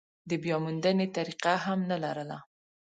د بیاموندنې طریقه هم نه لرله.